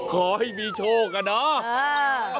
ขอให้มีโชคอะเนาะ